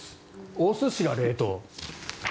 お寿司が冷凍。